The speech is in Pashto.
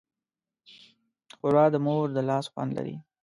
ښوروا د مور د لاس خوند لري.